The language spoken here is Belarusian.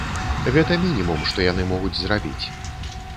Гэта мінімум, што яны могуць зрабіць.